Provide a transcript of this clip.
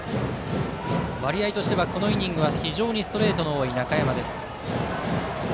割合としてはこの回は非常にストレートの多い中山です。